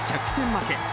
負け。